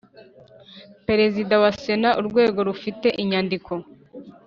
Perezida wa Sena urwego rufite iyandikwa